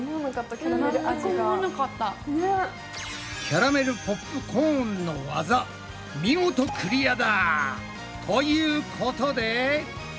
キャラメルポップコーンのワザ見事クリアだ！ということで。